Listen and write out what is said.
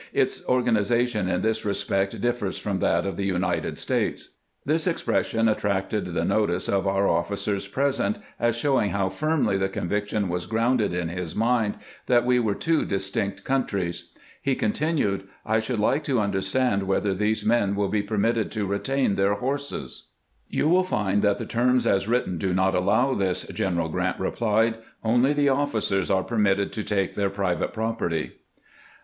Its organization in this respect differs from that of the United States." This expression attracted the notice of our officers present, as showing how firmly the con gkant's consideeation foe confedeeate peivates 479 viction was grounded in his mind that we were two distinct countries. He continued: "I should like to understand whether these men will be permitted to re tain their horses." " You will find that the terms as written do not allow this," General Grant replied ;" only the officers are per mitted to take their private property."